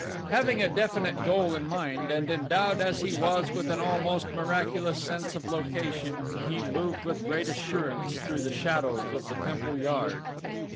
Having a definite goal in mind and endowed as he was with an almost miraculous sense of location he moved with great assurance through the shadows of the temple yard.